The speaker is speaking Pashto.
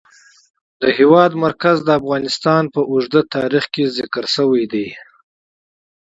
د هېواد مرکز د افغانستان په اوږده تاریخ کې ذکر شوی دی.